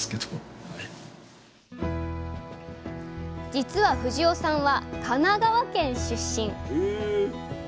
実は藤尾さんは神奈川県出身。